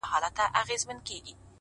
باندي شعرونه ليكم’